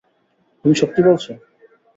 তুমি সত্যি বলছ?